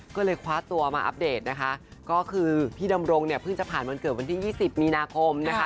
ก็เลยคว้าตัวมาอัปเดตนะคะก็คือพี่ดำรงเนี่ยเพิ่งจะผ่านวันเกิดวันที่๒๐มีนาคมนะคะ